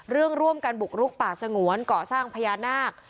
เรื่องร่วมการบุกลุกป่าสงวนก่อสร้างพญานาค